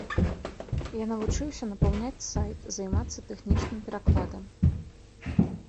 Я навучыўся напаўняць сайт, займацца тэхнічным перакладам.